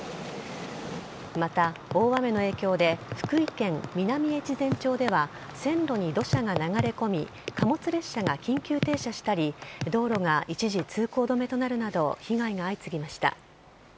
また、大雨の影響で福井県南越前町では線路に土砂が流れ込み貨物列車が緊急停車したり道路が一時通行止めとなるなど被害が相次ぎました。